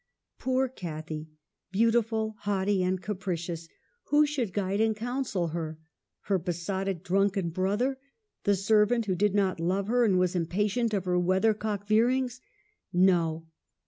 Poor Cathy ! beautiful, haughty, and capri cious ; who should guide and counsel her ? her besotted, drunken brother ? the servant who did not love her and was impatient of her weather cock veerings ? No.